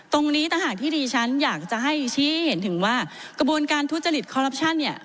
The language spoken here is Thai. ตรงนี้ถ้าหากที่ดิฉันอยากจะให้ชี้ให้เห็นถึงว่ากระบวนการทุจริตคอรัปชั่นเนี่ย